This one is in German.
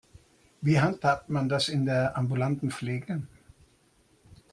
Wie handhabt man das in der ambulanten Pflege?